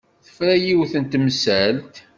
Tefra yiwet n temsalt.